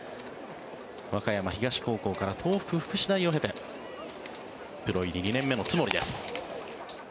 和歌山東高校から東北福祉大を経てプロ入り２年目の津森です。